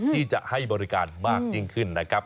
ที่จะให้บริการมากยิ่งขึ้นนะครับ